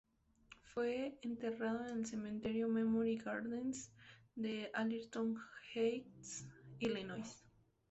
Fue enterrado en el Cementerio Memory Gardens de Arlington Heights, Illinois.